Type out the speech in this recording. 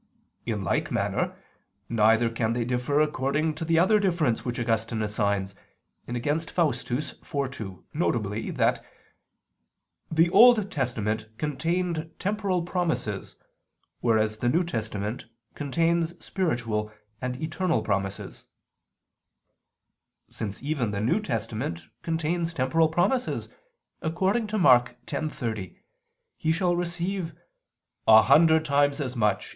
In like manner neither can they differ according to the other difference which Augustine assigns (Contra Faust. iv, 2), viz. that "the Old Testament contained temporal promises, whereas the New Testament contains spiritual and eternal promises": since even the New Testament contains temporal promises, according to Mk. 10:30: He shall receive "a hundred times as much